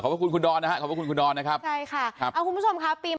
ขอบคุณคุณดอนนะฮะขอบคุณคุณดอนนะครับใช่ค่ะครับเอาคุณผู้ชมค่ะปีม